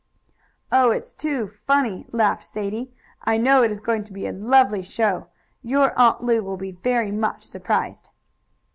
"Oh, it's too funny!" laughed Sadie. "I know it is going to be a lovely show! Your Aunt Lu will be very much surprised."